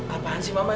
apaan sih mama